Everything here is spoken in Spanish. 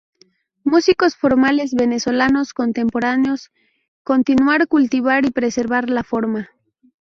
Músicos formales venezolanos contemporáneos continuar cultivar y preservar la forma.